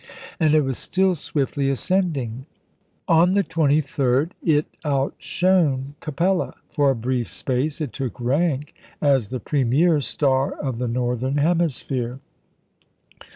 And it was still swiftly ascending. On the 23rd, it outshone Capella; for a brief space it took rank as the premier star of the northern hemisphere.